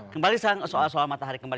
kembali ke soal soal matahari kembar